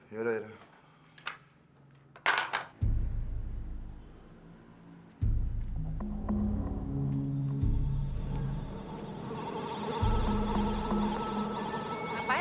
ngapain lo disini